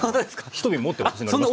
１瓶持って私乗りました。